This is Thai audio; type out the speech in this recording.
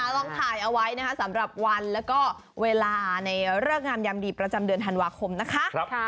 ต้องถ่ายเอาไว้นะคะสำหรับวันแล้วก็เวลาในเลิกงามยามดีประจำเดือนธันวาคมนะคะ